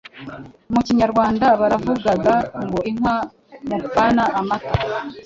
Mu kinyarwanda baravugaga ngo "inka mupfana amata"